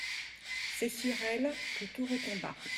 C'est sur elle que tout retomba.